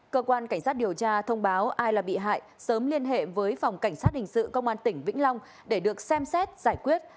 cơ quan cảnh sát điều tra thông báo ai là bị hại sớm liên hệ với phòng cảnh sát hình sự công an tỉnh vĩnh long để được xem xét giải quyết